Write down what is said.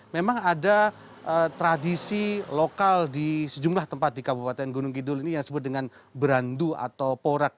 memang ada tradisi lokal di sejumlah tempat di kabupaten gunung kidul ini yang disebut dengan berandu atau porak